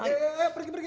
iya iya iya pergi pergi